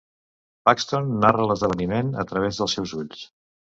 Paxton narra l'esdeveniment a través dels seus ulls.